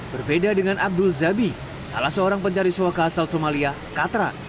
berbeda dengan abdul zabi salah seorang pencari suaka asal somalia katra